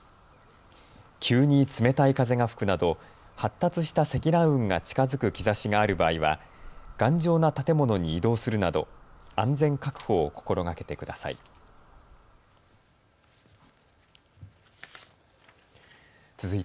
急に冷たい風が吹くなど発達した積乱雲が近づく兆しがある場合は頑丈な建物に移動するなど安全確保を心がけてください。